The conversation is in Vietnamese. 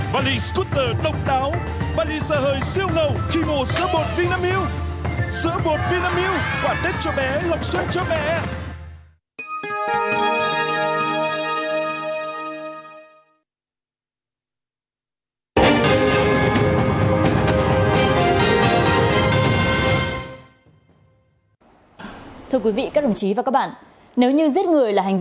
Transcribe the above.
văn lý scooter đông táo